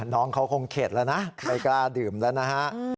น้องเขาคงเข็ดแล้วนะไม่กล้าดื่มแล้วนะฮะ